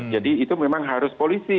jadi itu memang harus polisi